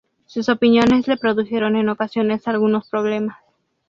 Sus opiniones le produjeron en ocasiones algunos problemas.